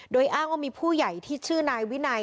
โดยอ้างว่ามีผู้ใหญ่ที่ชื่อนายวินัย